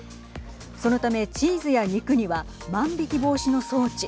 そのためチーズや肉には万引き防止の装置。